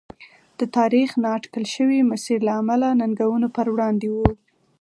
د تاریخ نااټکل شوي مسیر له امله ننګونو پر وړاندې و.